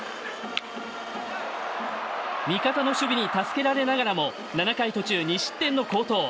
味方の守備に助けられながらも７回途中２失点の好投。